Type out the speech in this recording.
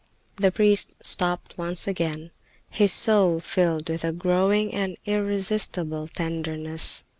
The priest stopped once again, his soul filled with a growing and irresistible tenderness.